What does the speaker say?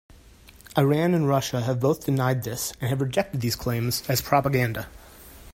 Iran and Russia have both denied this and have rejected these claims as propaganda.